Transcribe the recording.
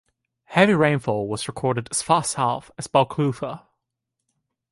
Heavy rainfall was recorded as far south as Balclutha.